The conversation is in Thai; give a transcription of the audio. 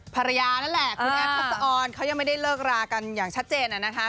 ภรรยานั่นแหละคุณแอฟทักษะออนเขายังไม่ได้เลิกรากันอย่างชัดเจน